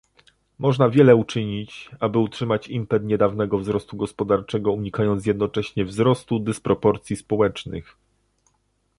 Można wiele uczynić, aby utrzymać impet niedawnego wzrostu gospodarczego unikając jednocześnie wzrostu dysproporcji społecznych